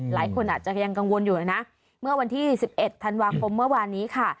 หลายคนอาจจะยังกังวลอยู่เลยนะเมื่อวันที่๑๑ธันวาคมเมื่อวานนี้ค่ะ